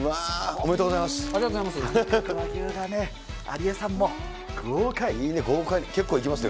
おめでとうございます。